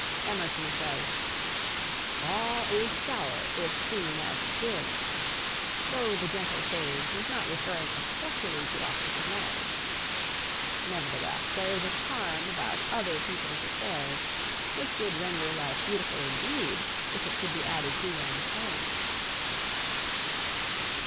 Emerson says: "All is sour if seen as experience," though the gentle sage was not referring especially to offers of marriage. Nevertheless, there is a charm about other people's affairs which would render life beautiful indeed if it could be added to one's own.